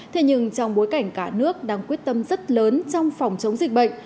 thế nhưng trong bối cảnh cả nước đang quyết tâm rất lớn trong phòng chống dịch bệnh